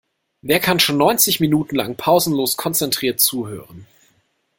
Wer kann schon neunzig Minuten lang pausenlos konzentriert zuhören?